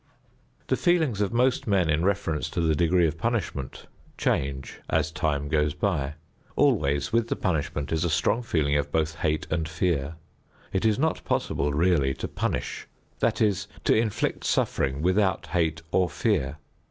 The feelings of most men in reference to the degree of punishment change as time goes by. Always with the punishment is a strong feeling of both hate and fear. It is not possible really to punish, that is, to inflict suffering without hate or fear.